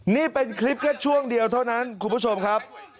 นี่เป็นคลิปแค่ช่วงเดียวเท่านั้นคุณผู้ชมครับ